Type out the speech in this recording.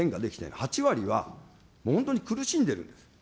８割は本当に苦しんでいるんです。